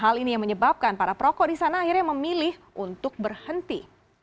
hal ini yang menyebabkan para perokok di sana akhirnya memilih untuk berhenti